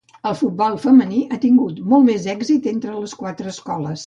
El futbol femení ha tingut molt més èxit entre les quatre escoles.